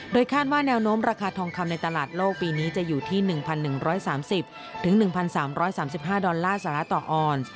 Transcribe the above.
คาดว่าแนวโน้มราคาทองคำในตลาดโลกปีนี้จะอยู่ที่๑๑๓๐๑๓๓๕ดอลลาร์สาระต่อออน